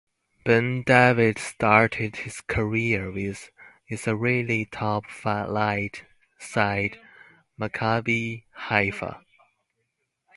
Ben David started his career with Israeli top flight side Maccabi Haifa.